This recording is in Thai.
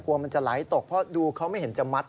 มันจะไหลตกเพราะดูเขาไม่เห็นจะมัด